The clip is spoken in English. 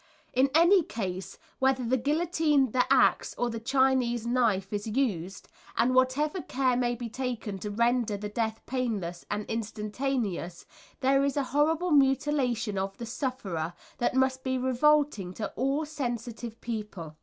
In any case, whether the guillotine, the axe, or the Chinese knife is used, and whatever care may be taken to render the death painless and instantaneous, there is a horrible mutilation of the sufferer that must be revolting to all sensitive people. [Illustration: The Guillotine.